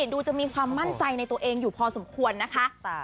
ดูจะมีความมั่นใจในตัวเองอยู่พอสมควรนะคะ